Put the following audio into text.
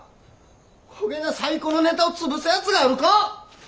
こげな最高のネタを潰すやつがあるか！